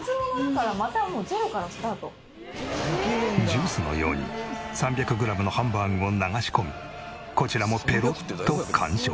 ジュースのように３００グラムのハンバーグを流し込みこちらもペロッと完食。